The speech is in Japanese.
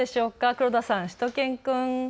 黒田さん、しゅと犬くん。